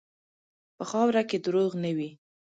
په خاوره کې دروغ نه وي.